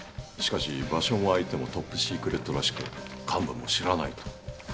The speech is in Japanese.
しかし場所も相手もトップシークレットらしく幹部も知らないと。